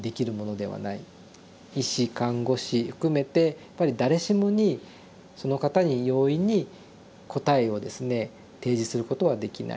医師看護師含めてやっぱり誰しもにその方に容易に答えをですね提示することはできない。